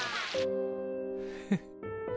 フッ。